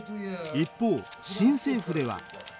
一方新政府では。